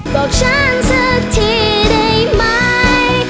บอกฉันสักทีได้ไหม